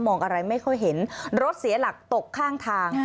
อะไรไม่ค่อยเห็นรถเสียหลักตกข้างทาง